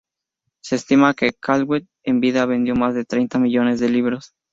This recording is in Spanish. Se estima que Caldwell en vida vendió más treinta millones de libros.